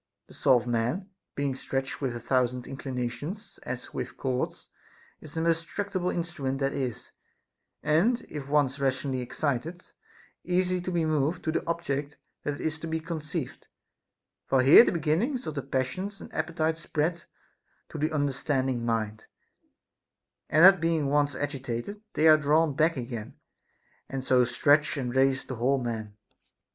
The soul of man, being stretched with a thousand inclinations, as with cords, is the most tractable instrument that is, and if once rationally excited, easy to be moved to the object that is to be conceived ; for here the beginnings of the passions and appetites spread to the understanding mind, and that being once agitated, they are drawn back again, and so stretch and raise the whole man.